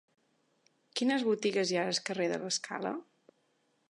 Quines botigues hi ha al carrer de l'Escala?